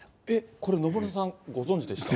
これ野村さん、ご存じでしたか？